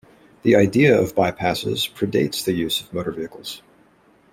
The idea of bypasses predates the use of motor vehicles.